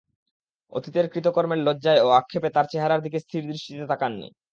অতীতের কৃতকর্মের লজ্জায় ও আক্ষেপে তার চেহারার দিকে স্থির দৃষ্টিতে তাকাননি।